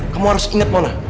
kamu harus ingat mana